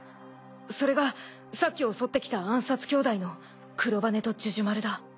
それがさっき襲ってきた暗殺兄弟のクロバネとジュジュマルだ。